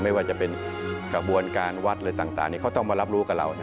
ไม่ว่าจะเป็นกระบวนการวัดอะไรต่างเขาต้องมารับรู้กับเรา